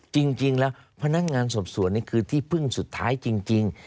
จริงแล้วพนักงานสอบสวนนี่คือที่พึ่งสุดท้ายจริง